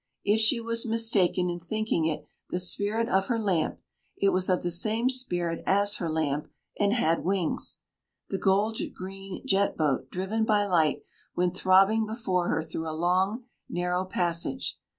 If she was mistaken in thinking it the spirit of her lamp, it was of the same spirit as her lamp and had wings. The gold green jet boat, driven by light, went throbbing before her through a long narrow passage.